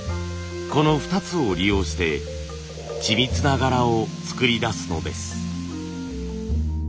この２つを利用して緻密な柄を作り出すのです。